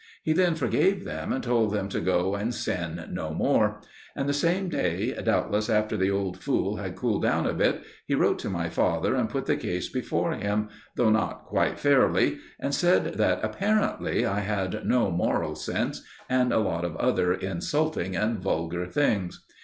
He then forgave them and told them to go and sin no more; and the same day, doubtless after the old fool had cooled down a bit, he wrote to my father and put the case before him though not quite fairly and said that, apparently, I had no moral sense, and a lot of other insulting and vulgar things.